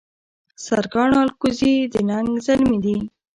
سرکاڼو الکوزي د ننګ زلمي دي